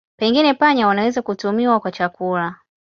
Pengine panya wanaweza kutumiwa kwa chakula.